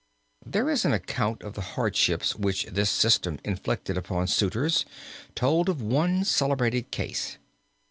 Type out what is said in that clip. There is an account of the hardships which this system inflicted upon suitors told of one celebrated case.